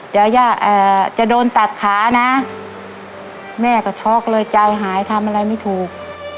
ย่าย่าเอ่อจะโดนตัดขานะแม่ก็ช็อกเลยจ้ายหายทำอะไรไม่ถูก